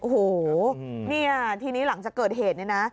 โหเงี้ยที่นี่หลังจากเกิดเหตุนั้นนะ